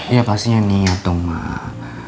ya pastinya niat dong mbak